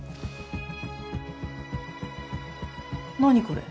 何これ。